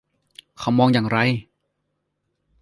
เขามองอย่างไร